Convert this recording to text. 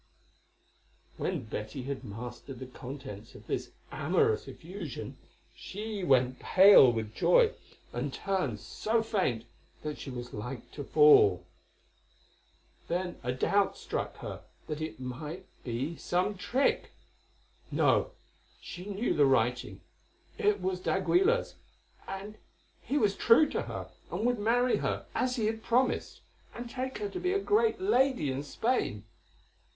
When Betty had mastered the contents of this amorous effusion she went pale with joy, and turned so faint that she was like to fall. Then a doubt struck her that it might be some trick. No, she knew the writing—it was d'Aguilar's, and he was true to her, and would marry her as he had promised, and take her to be a great lady in Spain.